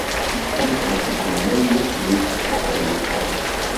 Cnut ɣef ddemma n yisem-is, axaṭer ilha!